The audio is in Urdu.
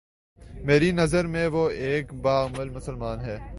میری نظر میں وہ ایک با عمل مسلمان ہے